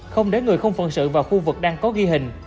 không để người không phân sự vào khu vực đang có ghi hình